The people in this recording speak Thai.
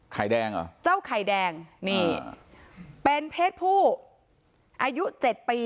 แดงเหรอเจ้าไข่แดงนี่เป็นเพศผู้อายุเจ็ดปี